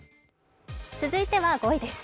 続いては５位です。